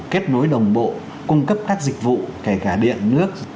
kết nối đồng bộ cung cấp các dịch vụ kể cả điện nước